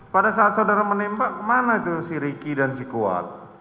pada saat saudara menembak kemana itu si ricky dan si kuat